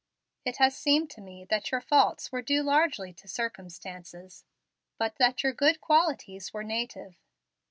It has seemed to me that your faults were due largely to circumstances, but that your good qualities were native."